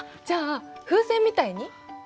じゃあ風船みたいに？